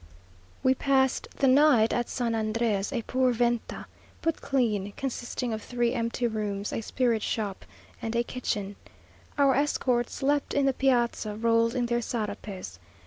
We passed the night at San Andrés, a poor venta, but clean, consisting of three empty rooms, a spirit shop, and a kitchen. Our escort slept in the piazza, rolled in their sarapes.